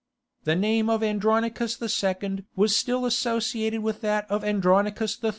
The name of Andronicus II. was still associated with that of Andronicus III.